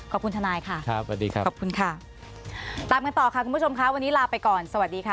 ขอบคุณทนายค่ะขอบคุณค่ะตามกันต่อค่ะคุณผู้ชมค่ะวันนี้ลาไปก่อนสวัสดีค่ะ